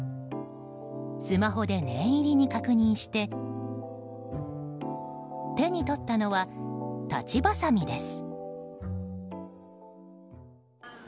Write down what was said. スマホで念入りに確認して手に取ったのは、たちばさみです。